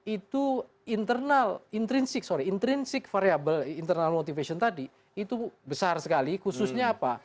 itu internal variable internal motivation tadi itu besar sekali khususnya apa